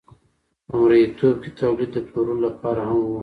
په مرئیتوب کې تولید د پلورلو لپاره هم و.